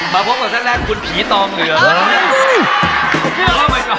มาพบกับท่านแรกคุณผีตองเหลือง